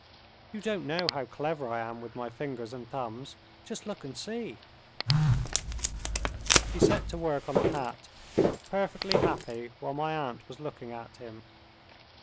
You don't know how clever I am with my fingers and thumbs. Just look and see!" He set to work on the hat; perfectly happy while my aunt was looking at him.